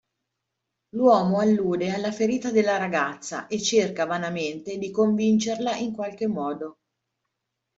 L'uomo allude alla ferita della ragazza e cerca vanamente di convincerla in qualche modo.